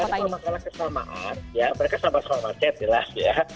ya sebenarnya kalau makalah kesamaan ya mereka sama sama macet jelas ya